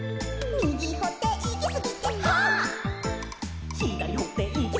「みぎいっていきすぎて」